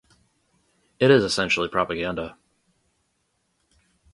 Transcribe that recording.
It is essentially propaganda.